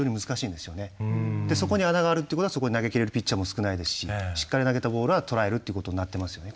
でそこに穴があるっていうことはそこに投げきれるピッチャーも少ないですししっかり投げたボールはとらえるってことになってますよね。